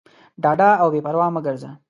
ډاډه او بېپروا مه ګرځه.